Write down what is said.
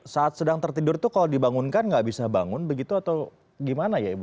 saat sedang tertidur itu kalau dibangunkan nggak bisa bangun begitu atau gimana ya ibu